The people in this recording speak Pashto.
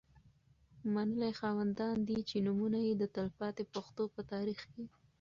منلي خاوندان دي. چې نومونه یې د تلپا تي پښتو په تاریخ کي